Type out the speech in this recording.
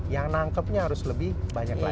yang nangkepnya harus lebih banyak lagi